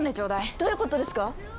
どういうことですか